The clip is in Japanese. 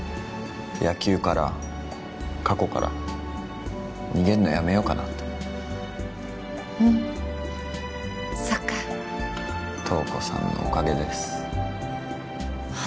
野球から過去から逃げるのやめようかなってうんそっか瞳子さんのおかげです私